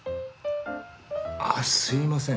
あぁすみません